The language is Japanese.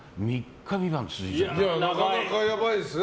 なかなかやばいですね。